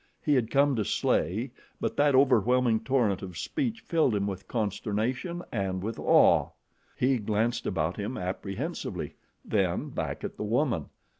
He had come to slay, but that overwhelming torrent of speech filled him with consternation and with awe. He glanced about him apprehensively, then back at the woman.